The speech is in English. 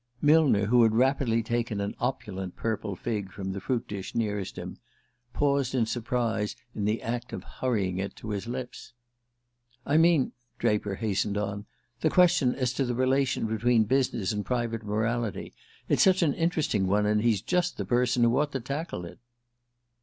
Millner, who had rapidly taken an opulent purple fig from the fruit dish nearest him, paused in surprise in the act of hurrying it to his lips. "I mean," Draper hastened on, "the question as to the relation between business and private morality. It's such an interesting one, and he's just the person who ought to tackle it."